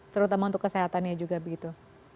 terutama untuk kesehatannya juga begitu